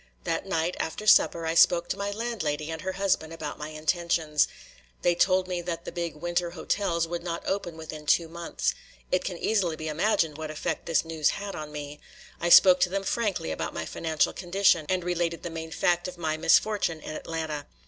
That night after supper I spoke to my landlady and her husband about my intentions. They told me that the big winter hotels would not open within two months. It can easily be imagined what effect this news had on me. I spoke to them frankly about my financial condition and related the main fact of my misfortune in Atlanta.